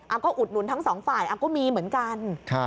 ก็อุดหนุนทั้งสองฝ่ายก็มีเหมือนกัน